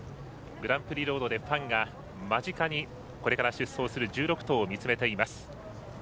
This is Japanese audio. グランプリロードでファンが間近にこれから出走する１６頭を見つめています。